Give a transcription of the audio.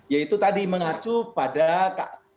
yaitu tadi mengacu pada